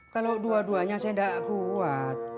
kalau dua duanya saya tidak kuat